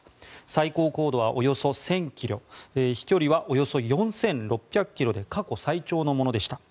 最高高度はおよそ１０００ｋｍ飛距離はおよそ４６００ｋｍで過去最長のものでした。